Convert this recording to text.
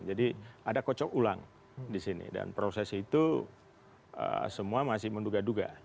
jadi ada kocok ulang di sini dan proses itu semua masih menduga duga